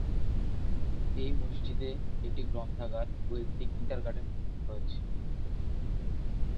এই মসজিদে একটি গ্রন্থাগার ও একটি কিন্ডারগার্টেন রয়েছে।